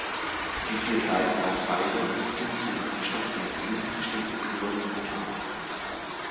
Die vier Saiten aus Seide sind zu im Abstand einer Quinte gestimmten Chören gepaart.